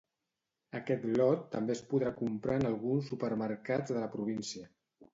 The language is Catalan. Aquest lot també es podrà comprar en alguns supermercats de la província.